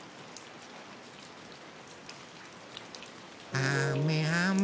あめあめ。